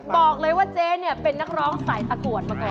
บอกเลยว่าเจ๊เนี่ยเป็นนักร้องสายตะกรวดมาก่อน